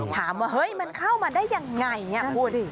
ถามว่าเฮ้ยมันเข้ามาได้ยังไงคุณ